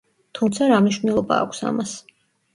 თუმცა, რა მნიშვნელობა აქვს ამას.